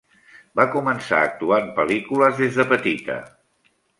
Va començar a actuar en pel·lícules des de petita.